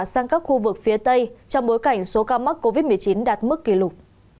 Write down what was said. sang các khu vực phía tây trong bối cảnh số ca mắc covid một mươi chín đạt mức kỷ lục